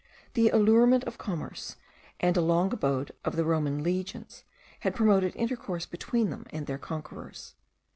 The allurement of commerce, and a long abode of the Roman legions, had promoted intercourse between them and their conquerors.